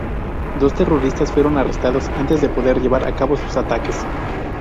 Dos terroristas fueron arrestados antes de poder llevar a cabo sus ataques.